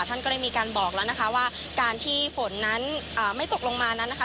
ท่านก็ได้มีการบอกแล้วนะคะว่าการที่ฝนนั้นไม่ตกลงมานั้นนะคะ